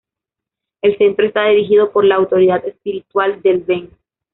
El centro está dirigido por la autoridad espiritual del Ven.